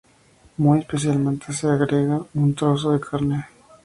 Muy especialmente se le agrega un trozo de carne.